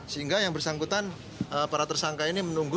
sehingga yang bersangkutan para tersangka ini menunggu